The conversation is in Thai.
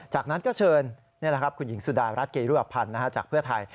จากนั้นก็เชิญคุณหญิงสุดารัฐเกรุพันธ์จากเพื่อไทย